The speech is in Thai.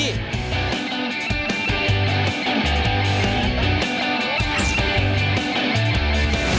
โคตรเตียงสุริย์และเช่นไงนี่คือจิ้มเท่านั้น